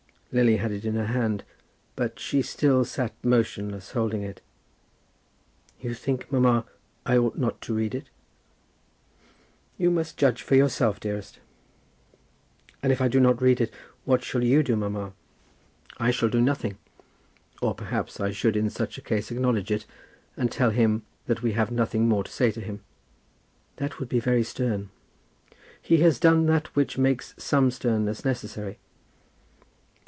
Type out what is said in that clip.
Lily had it in her hand, but she still sat motionless, holding it. "You think, mamma, I ought not to read it?" "You must judge for yourself, dearest." "And if I do not read it, what shall you do, mamma?" "I shall do nothing; or, perhaps, I should in such a case acknowledge it, and tell him that we have nothing more to say to him." "That would be very stern." "He has done that which makes some sternness necessary."